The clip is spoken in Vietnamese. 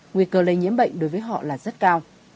nguy cơ lây nhiễm bệnh đối với họ là rất cao